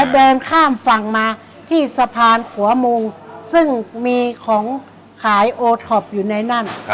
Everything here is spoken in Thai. เดินข้ามฝั่งมาที่สะพานหัวมุงซึ่งมีของขายโอท็อปอยู่ในนั่น